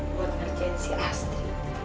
buat ngerjain si astri